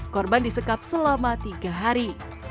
korban disekap selama tiga hari